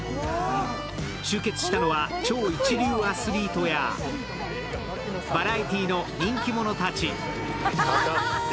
集結したのは超一流アスリートやバラエティーの人気者たち。